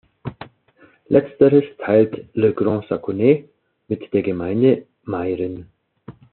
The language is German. Letzteres teilt Le Grand-Saconnex mit der Gemeinde Meyrin.